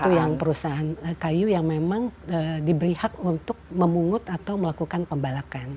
itu yang perusahaan kayu yang memang diberi hak untuk memungut atau melakukan pembalakan